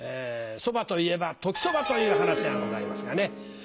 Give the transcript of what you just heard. そばといえば『時そば』という話がございますがね。